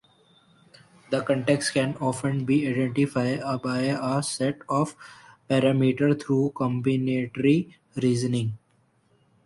The context can often be identified by a set of parameters through combinatorial reasoning.